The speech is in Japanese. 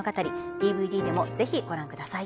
ＤＶＤでもぜひご覧ください。